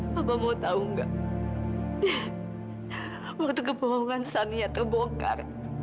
mama mau tahu nggak waktu kebohongan saniya terbongkar